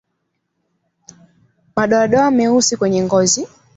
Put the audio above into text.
Madoadoa meusi kwenye ngozi